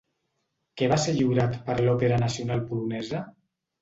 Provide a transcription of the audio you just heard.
Què va ser lliurat per l'Òpera Nacional Polonesa?